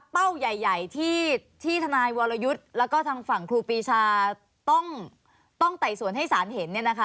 เป้าใหญ่ที่ทนายวรยุทธ์แล้วก็ทางฝั่งครูปีชาต้องไต่สวนให้สารเห็น